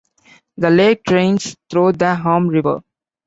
The lake drains through the Alm River.